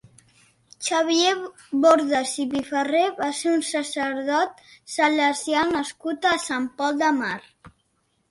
Xavier Bordas i Piferrer va ser un sacerdot salesià nascut a Sant Pol de Mar.